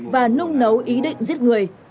và nung nấu ý định giết người